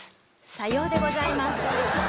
さようでございます。